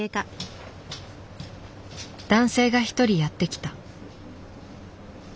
男性が一人やって来た。